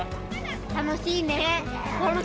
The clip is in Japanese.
楽しいねー。